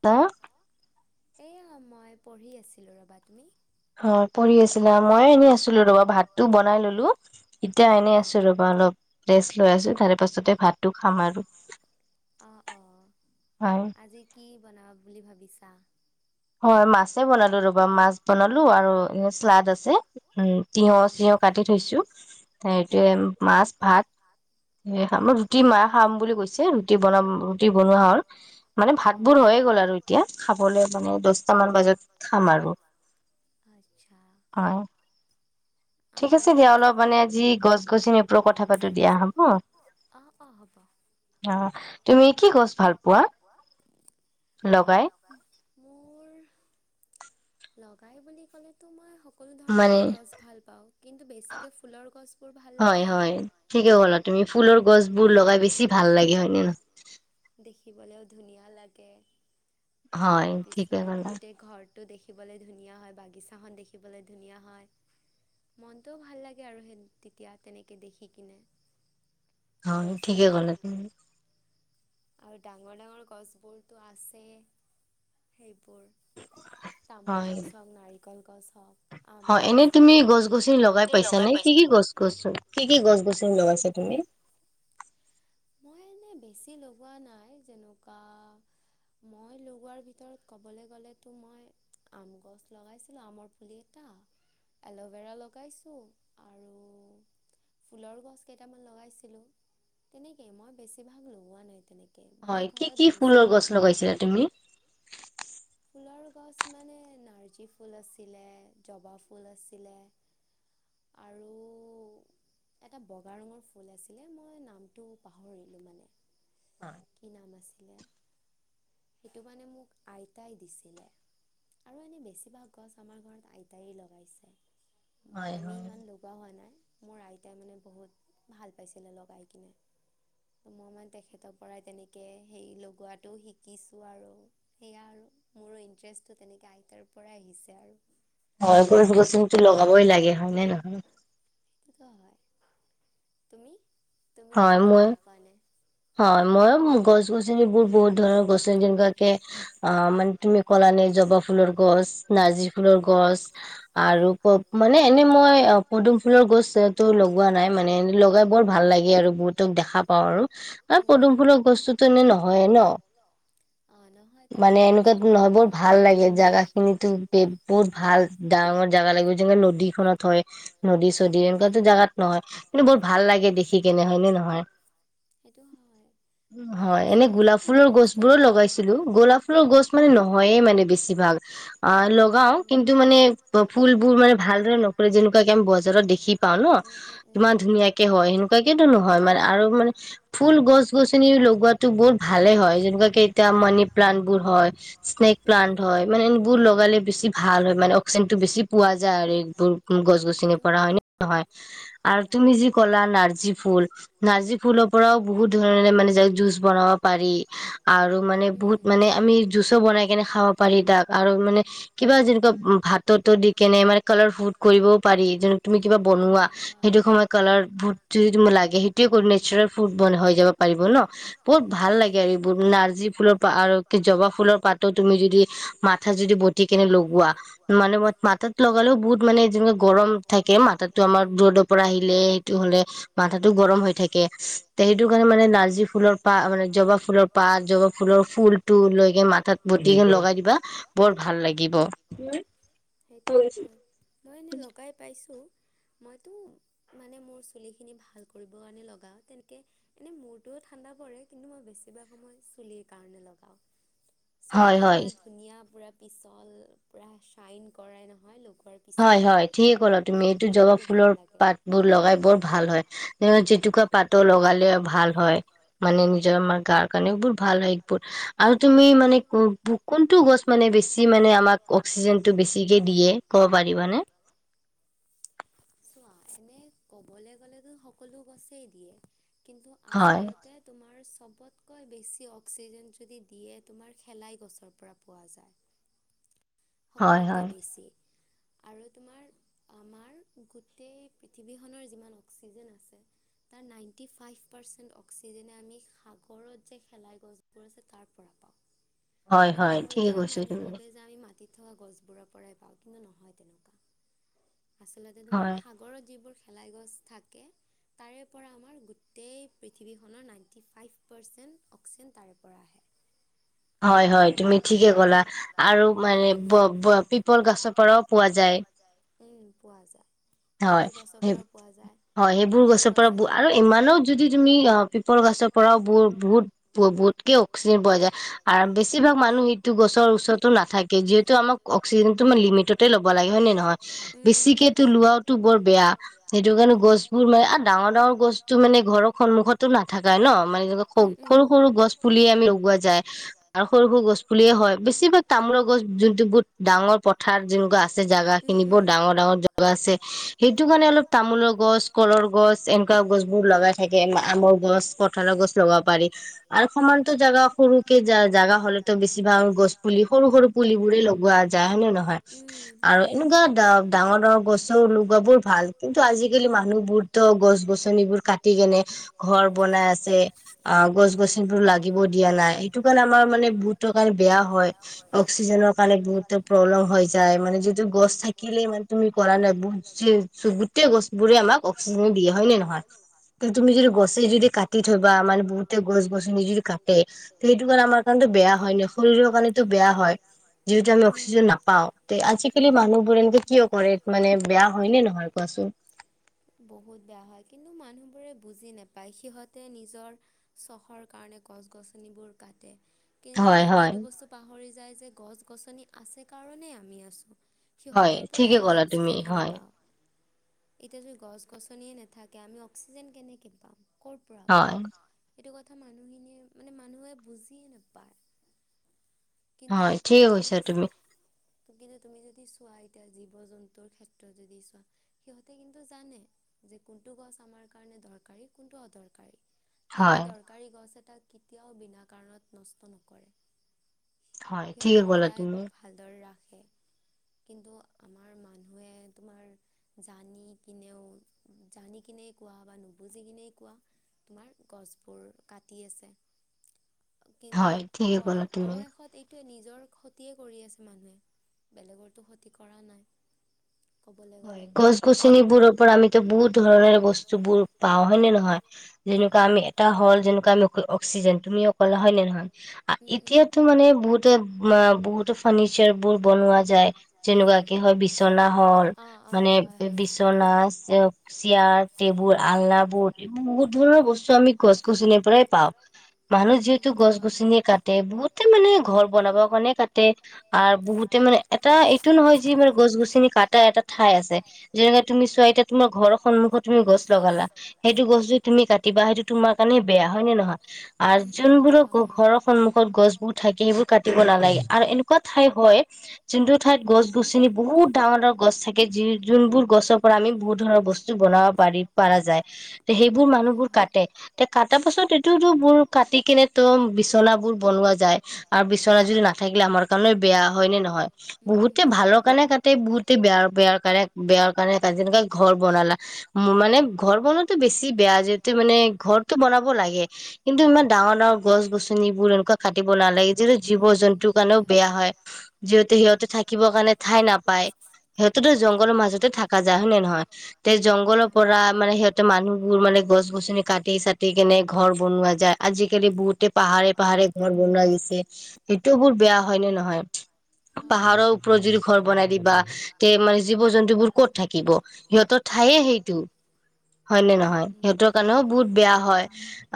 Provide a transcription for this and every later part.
কি কৰি আছানো? এয়া মই পঢ়ি আছিলোঁ ৰ'বা। তুমি? হয়, পঢ়ি আছিলা! মই এনেই আছিলোঁ ৰ'বা। ভাতটো বনাই ল'লো। এতিয়া এনেই আছোঁ ৰ'বা অলপ, ৰেষ্ট লৈ আছোঁ। তাৰে পাছতে ভাত অ, অ' আজি কি বনাও বুলি ভাবিছা? হয়, মাছে বনালোঁ ৰ'বা, মাছ বনালোঁ আৰু এ, ছালাদ আছে। উম, তিয়হ চিয়হ কাটি থৈছোঁ, এইটোৱে মাছ ভাত। এ, আমাৰ ৰুটি মা খাম বুলি কৈছে, ৰুটি বনাম ৰুটি বনোৱা হ'ল। মানে ভাত বোৰ হৈয়ে গ'ল আৰু এতিয়া, খাবলে। আচ্ছা। [inaudible] ঠিক আছে দিয়া অলপ মানে আজি গছ-গছনিৰ ওপৰত কথা পাতো দিয়া হ'ব? অ', তুমি কি গছ ভাল পোৱা লগাই? মোৰ লগাই বুলি ক'লেতো মই সকলো ধৰণেৰে গছ ভাল পাওঁ। কিন্তু বেছিকে ফুলৰ গছবোৰ ভাল লাগে আৰু বেছি ভাল লাগে। [inaudible] দেখিবলৈও ধুনীয়া লাগে। তাৰপিছত গোটেই ঘৰ টো দেখিবলে ধুনীয়া হয়। বাগিচাখন দেখিবলে ধুনীয়া হয়। মনটোও ভাল লাগে আৰু সেই তেতিয়া তেনেকে দেখি কিনে। হয়, ঠিকে ক'লা তুমি। আৰু ডাঙৰ, ডাঙৰ গছবোৰটো আছে সেইবোৰ [inaudible] হয়, হয় এনেই তুমি গছ গছনি লগাই পাইছানে? কি কি গছ? গছ কি কি গছ গছনি লগাইছা তুমি? মই এনে বেছি লগোৱা নাই যেনেকুৱা মই লগোৱাৰ ভিতৰত ক'বলে গ'লেটো মই আম গছ লগাইছিলোঁ। আমৰ পুলি। এল'ভেৰা লগাইছো আৰু ফুলৰ গছ কেইটামান লগাইছিলোঁ। তেনেকেই মই বেছিভাগ লগোৱা নাই তেনে কে, মোৰ ঘৰত বেছিভাগ ফুলৰ গছ মানে নাৰ্জী ফুল আছিলে, জবা ফুল আছিলে। আৰু এটা বগা ৰঙৰ ফুল আছিলে, মই নাম টো পাহৰিলোঁ মানে কি নাম আছিলে। সেইটো মানে মোক আইতাই দিছিলে। আৰু এনেই বেছিভাগ গছ আমাৰ ঘৰত আইতাই লগাইছে। আমি ইমান লগোৱা হোৱা নাই, মোৰ আইতাই মানে বহুত ভাল পাইছিলে লগাই কিনে। মই মানে তেখেতৰ পৰাই তেনেকে হেই‌ লগোৱাটো শিকিছোঁ আৰু সেয়া আৰু মোৰো ইণ্টাৰেষ্টটো তেনেকে আইতাৰ পৰাই আহিছে আৰু হয় গছ গছনি লগাবই লাগে হয় নে নহয়। [unintelligible] হয়। তুমি তুমি কি কি ভাল পোৱা এনে? হয়। মইয়ো গছ গছনিবোৰ বহুত ধৰণৰ গছনি যেনেকুৱাকে অ' মানে তুমি ক'লা নে জবা ফুলৰ গছ, নাৰ্জী ফুলৰ গছ আৰু কপ মানে এনে মই পদুম ফুলৰ গছটো লগোৱা নাই, মানে লগাই বৰ ভাল লাগে আৰু বহুতক দেখা পাওঁ আৰু, আৰু পদুম ফুলৰ গছটোতো এনে নহয়ে ন। মানে এনেকুৱাটো নহয়, বৰ ভাল লাগে জাগাখিনিতো বে বহুত ভাল ডাঙৰ জাগা লাগিব। যেনেকে নদীখনত। হয়। নদী চদী এনেকুৱাটো জাগাত নহয়। কিন্তু বহুত ভাল লাগে দেখি কেনে হয়নে নহয়? সেইটো হয়। হয়। এনে গোলাপ ফুলৰ গছবোৰো লগাইছিলোঁ। গোলাপ ফুলৰ গছ মানে নহয়েই মানে বেছিভাগ অ' লগাও কিন্তু মানে অ', ফুলবোৰ মানে ভালদৰে নকৰে, যেনেকুৱাকে আমি বজাৰত দেখি পাওঁ ন, কিমান ধুনীয়াকে হয়। সেনে তাকেটো নহয় মানে আৰু মানে ফুল গছ গছনি লগোৱাতো বহুত ভালে হয়, যেনেকুৱা কে এতিয়া মানি প্লাণ্টবোৰ। হয়, স্নেক প্লাণ্ট হয় মানে এনেবোৰ লগালে বেছি ভাল হয়। মানে অক্সিজেন টো বেছি পোৱা যায় আৰু এইবোৰ গছ-গছনি পৰা হয় নে নহয় আৰু তুমি যি কলা নাৰ্জী ফুল নাৰ্জী ফুলৰ পৰা বহুত ধৰণে মানে জুচ বনাব পাৰি আৰু মানে বহুত মানে জুচো বনাই কেনে খাব পাৰি তাক আৰু মানে কিবা যেনেকুৱা ভাততো দি কেনে মানে কালাৰ ভোট কৰিবও পাৰি, যেনে তুমি কিবা বনোৱা সেইটো সময়ত কালাৰ ভোট যদি তোমাৰ লাগে সেইটোৱে কৰো নেচৰেল। ফুড বন হৈ যাব পাৰিব ন, বহুত ভাল লাগে এইবোৰ নাৰ্জী ফুলৰ পা আৰু জবা। ফুলৰ পাতো তুমি যদি মাথাত যদি বতি কেনে লগোৱা মানে মই মাথাত লগালেও বহুত মানে যেনে গৰম থাকে মাথাটো আমাৰ ৰ'দৰ পৰা আহিলে হেইটো হ'লে মাথাটো গৰম হৈ থাকে। তে সেইটো কাৰণে মানে নাৰ্জী ফুলৰ পাত, মানে জবা ফুলৰ পাত, জবা ফুলৰ ফুলটো লৈকে মাথাত বতি কেনে লগাই দিবা বৰ ভাল লাগিব। সেইটো হয়, মই এনেই লগাই পাইছোঁ। মইটো মানে মোৰ চুলিখিনি ভাল কৰিবৰ কাৰণে লগাওঁ তেনেকে এনেই মূৰটোও ঠাণ্ডা পৰে কিন্তু মই বেছিভাগ সময় চুলিৰ কাৰণে লগাওঁ। চুলিটো তোমাৰ ধুনীয়া পুৰা পিছল পুৰা চাইন কৰাই নহয় লগোৱাৰ হয়, হয় ঠিকে ক'লা তুমি, এইটো জবা ফুলৰ পাত বোৰ লগাই বৰ ভাল হয় নে জেতুকা পাতৰ লগালে ভাল হয়, মানে নিজৰ আমাৰ গাৰ কাৰণে বহুত ভাল হয় এইবোৰ। আৰু তুমি মানে কো পো কোনটো গছ মানে বেছি মানে আমাক অক্সিজেনটো বেছিকে দিয়ে। দিয়ে ক'ব পাৰিব নে? চোৱা এনে ক'বলে গ'লেটো সকলো গছেই দিয়ে। কিন্তু আচলতে তোমাৰ চবতকৈ বেছি অক্সিজেন যদি দিয়ে তোমাৰ শেলাই গছৰ পৰা পোৱা যায়, সকলোতকৈ বেছি। আৰু তোমাৰ আমাৰ গোটেই পৃথিৱীখনৰ যিমান অক্সিজেন আছে। তাৰ নাইণ্টি ফাইভ পাৰ্চেণ্ট অক্সিজেনে আমি সাগৰত যে শেলাই গছবোৰ আছে তাৰ পৰা পাওঁ। কিন্তু বহুতে মানুহে ভাবে যে আমি মাটিত থকা গছবোৰৰ পৰাই পাওঁ কিন্তু নহয় তেনেকুৱা। আচলতে তোমাৰ সাগৰত যিবোৰ শেলাই গছ থাকে তাৰে পৰা আমাৰ গোটেই পৃথিৱীখনৰ নাইণ্টি ফাইভ পাৰ্চেণ্ট অক্সিজেন তাৰে পৰা আহে। হয়, হয় তুমি ঠিকে ক'লা আৰু মানে ব ব পিপৰ পিপল গছৰ পৰাও পোৱা যায়। উম পোৱা যায় সেইবোৰ গছৰ পৰাও পোৱা যায়। হয়, এইবোৰ গছৰ পৰাও বো আৰু ইমানো যদি তুমি আ পিপল গছৰ পৰাও বোৰ বহুত ব বহুত বহুত। কে অক্সিজেন পোৱা যায়। পোৱা যায় আৰু বেছিভাগ মানুহ মৃত্যু গছৰ ওচৰতো নাথাকে যিহেতু আমাক অক্সিজ ততে ল'ব লাগে হয় নে নহয় বেছিকেটো লোৱা টো বৰ বেয়া সেইটো কাৰণে গছবোৰ মানে আ ডাঙৰ ডাঙৰ গছতটো মানে ঘৰৰ সন্মুখত তো নাথাকাই ন মানেনো স সৰু সৰু গছ পুলি আমি লগোৱা যায়। আৰু সৰু- সৰু গছ পুলিয়ে হয় বেছিভাগ তামোলৰ গছ যোনটো বহুত ডাঙৰ প থাত যেনেকুৱা আছে জেগা খিনি বহুত ডাঙৰ ডাঙৰ জেগা আছে সেইটো কাৰণে অলপ তামোলৰ গছ, কলৰ গছ, এনেকুৱা গছ বোৰ লগাই থাকে মা আমৰ গছ কঁঠালৰ গছ। লবা পাৰি আৰু সমান্ত জেগা সৰুকে জা জাগা হ'লেটো বেছি ভাল গছ পুলি সৰু-সৰু পুলিবোৰে লগোৱা যায় হয়েনে নহয়? আৰু এনেকুৱা দা ডাঙৰ-ডাঙৰ গছ- লগোৱাবোৰ ভাল। কিন্তু আজিকালি মানুহ বোৰ তো গছ গছনিবোৰ কাটি কেনে- যেনে ঘৰ বনাই আছে আ গছ গছনি বোৰ লাগিব দিয়া- সেইটো কাৰণে আমাৰ মানে বহুতৰ কাৰণে বেয়া হয়, অক্সিজেনৰ কাৰণে বহুতৰ প্ৰব্লেম হৈ যায় মানে যিটো গছ- থাকিলে ইমান তুমি কৰা নাজ- বহুত চেই গোটেই গছ বোৰে আমাক অক্সিজেন দিয়া হয় নে নহয়? তুমি যদি গছে যদি কাট- টি থবা মানে বহুতে গছ গছনি যদি কাটে - সেইটো কাৰণে আমাৰ কাৰণেতো বেয়া হয় নে, শৰীৰৰ কাৰণেতো বেয়া হয় যিহেতু আমি অক্সিজেন নাপাওঁ। তে আজি- কালি মানুহবোৰে এনেকে কিয় কৰে মানে বেয়া হয় নে নহয় কোৱাচোন? বহুত বেয়া হয় কিন্তু মানুহবোৰে বুজি নাপায়। সিহঁতে নিজৰ- চখৰ কাৰণে গছ গছনিবোৰ কাটে। কিন্তু সিহঁতে এইটো বস্তু- পাহৰি যায় যে গছ গছনি আছে কাৰণেই আমি আছো। সিহঁতৰ পৰাই আমি অক্সিজেনখিনি পাওঁ। এতিয়া যদি গছ গছনিয়ে নাথাকে, আমি অক্সিজেন কেনেকে পাম, কৰ পৰা পাম! সেইটো কথা মানুহখিনিয়ে মানে মানুহে বুজিয়ে নাপায়। কিন্তু তুমি - কিন্তু তুমি যদি চোৱা, এতিয়া জীৱ জন্তুৰ ক্ষেত্ৰত যদি চোৱা- সিহঁতে কিন্তু জানে যে কোনটো গছ আমাৰ কাৰণে দৰকাৰী, কোনটো অদৰকাৰী। সিহঁতে দৰকাৰী গছ এটা কেতিয়াও বিনা কাৰণত নষ্ট নকৰে। সিহঁতে সদায় ভালদৰে ৰাখে। কিন্তু আমাৰ মানুহে তোমাৰ- জানি কিনেও, জানিকিনেও কোৱা বা নুবুজিকিনে কোৱা- তোমাৰ গছবোৰ কাটি আছে। কিন্তু অ অৱশেষত এইটো- নিজৰ ক্ষতিয়ে কৰি আছে মানুহে, বেলেগৰতো ক্ষতি কৰা নাই। হয়, গছ গছনিবোৰৰ পৰা আমিতো বহুত ধৰণৰ বস্তু বোৰ পাওঁ হয়নে, নহয়? যেনেকুৱা আমি এটা হ'ল যেনেকুৱা আমি অক্সিজেন তুমিও কলা হয়নে, নহয়? এতিয়াতো মানে বহুতে, বহুতো ফাৰ্ণিচাৰ বোৰ বনোৱা যায়। যেনেকুৱাকে হয়, বিচনা হল, মানে বিচনা- চেয়াৰ, টেবুল, আলনাবোৰ এই বহুত ধৰণৰ বস্তু আমি গছ গছনিৰ পৰাই পাওঁ। মানুহ যিহেতু গছ গছনি কাট- কাটে, বহুতে মানে ঘৰ বনাব কাৰণে কাটে আৰু বহুতে মানে এটা এইটো নহয় যে মানে গছ গছনি- কাটা এটা- ঠাই আছে। যেনেকে তুমি চোৱা এতিয়া তোমাৰ ঘৰৰ সন্মুখত তুমি গছ লগালা, সেইটো গছ তুমি কাট- কিবা সেইটো তোমাৰ কাৰণে বেয়া হয় নে নহয়, আ যোনবোৰক ঘৰৰ সন্মুখ- গছবোৰ থাকে সেইবোৰ কাটিব নালাগে আৰু এনেকুৱা ঠাই হয়- যোনটো ঠাইত গছ গছনি বহুত ডাঙৰ ডাঙৰ গছ থাকে। যি যোনবোৰ গছৰ পৰা আমি বহুত ধৰণৰ বস্তু বনাব পাৰি, পৰা যায়। সেইবোৰ মানুহবোৰ কাটে। তে কাটাৰ পাছত এইটো বোৰ কাটি কেনে- ত' বিচনা বোৰ বনোৱা যায় আৰু বিচনা যদি নাথাকিলে আমাৰ কাৰণে বেয়া, হয়নে নহয়? বহুতে ভালৰ কাৰণে কাটে, বহুতে বেয়া- বেয়া কাৰণে বেয়া কাৰণে যেনেকা ঘৰ বনালা। মানে ঘৰ বনোৱাাত বেছি বেয়া যিহেতু মানে- ঘৰটো বনাব লাগে, কিন্তু ইমান ডাঙৰ ডাঙৰ গছ গছনি- এনেকুৱা কাটিব নালাগে, যিহেতু জীৱ জন্তুৰ কাৰণেও বেয়া হয়। যিহেতু সিহঁতে থাকিব কাৰণে- ঠাই নাপায়। সিহঁতেতো জংঘলৰ মাজতে থাকা যায় হয় নে নহয়। তে জংঘলৰ পৰা মানে সিহঁত- মানুহবোৰ মানে গছ গছনি কাটি চাটি কেনে ঘৰ বনোৱা যায়। আজিকালি বহুতে পাহাৰে- পাহাৰে ঘৰ বনোৱা গৈছে। সেইটো বোৰ বেয়া হয় নে নহয়? পাহাৰৰ ওপৰত যদি ঘৰ বনাই দিবা। তে মানে জীৱ জন্তু বোৰ ক'ত থাকিব, সিহঁতৰ ঠায়ে সেইটো। হয় নে নহয়? সিহঁতৰ কাৰণেও বহুত বেয়া হয়।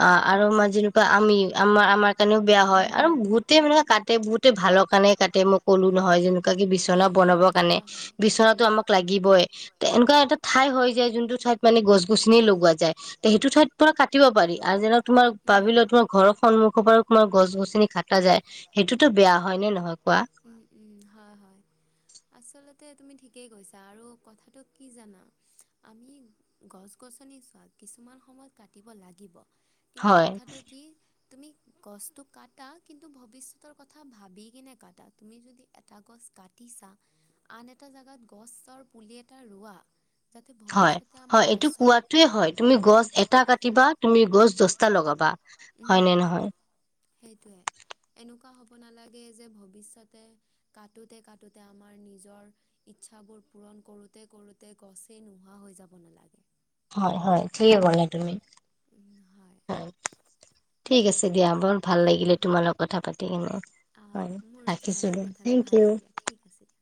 অঁ, আৰু আমাৰ যেনেকুৱা আমি, আমাৰ- আমাৰ কাৰণেও বেয়া হয় আৰু বহুতেই মানে কাটে, বহুতে ভালৰ কাৰণে কাটে মই ক'লো নহয়। যেনে - বাকী বিচনা বনাবৰ কাৰণে। বিচনাতটো আমাক লাগিবই, এনেকুৱা এটা ঠাই হৈ যায়, যোনটো ঠাইত মানে গছ গছনিয়ে লগোৱা যায়। তে সেইটো ঠাইত পুৰা কাটিব পাৰি আৰু যেনে তোমাৰ ভাবি লোৱা তোমাৰ ঘৰৰ- সন্মুখৰ পৰা তোমাৰ গছ গছনি কাটা যায়, সেইটোতো বেয়া হয় নে নহয় কোৱা? উম, হয় হয়। আচলতে তুমি ঠিকেই কৈছা আৰু কথাটো কি জানা, আমি- গছ গছনি চোৱা, কিছুমান সময়ত কাটিব লাগিব। কিন্তু কথাটো কি? তুমি গছটো কাটা কিন্তু ভৱিষ্যতৰ কথা ভাবি কিনে কাটা! তুমি যদি এটা গছ কা- টিছা আন এটা জেগাত গছৰ পুলি এটা ৰোৱা। যাতে ভৱিষ্যতে আমাৰ গছৰ - উম! সেইটোয়ে? এনেকুৱা হ'ব নালাগে যে ভৱিষ্যতে- কাটোতে কাটোতে আমাৰ নিজৰ- ইচ্ছাবোৰ পূৰণ কৰোঁতে কৰোঁতে গছেই নোহোৱা হৈ যাব নালাগে। হয়, হয়। ঠিকে কৈছা তুমি। ঠিক আছে দিয়া, বৰ ভাল লাগিলে তোমাল লগত কথা পাতি কিনে। আ মোৰো তোমাৰ লগত কথা পাতি ভাল লাগিল দিয়া, ঠিক আছে দিয়া।